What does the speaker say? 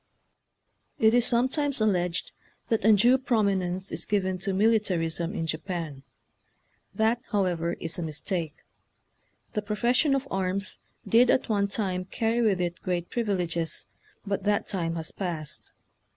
It is sometimes alleged that undue prominence is given to militarism in Japan. That, however, is a mistake. The profession of arms did at one time carry with it great privileges, but that time has passed.